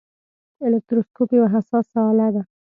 الکتروسکوپ یوه حساسه آله ده.